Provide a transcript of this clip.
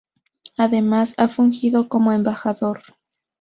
Además, ha fungido como embajador.